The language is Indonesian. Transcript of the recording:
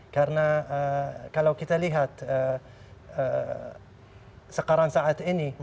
karena kalau kita lihat sekarang saat ini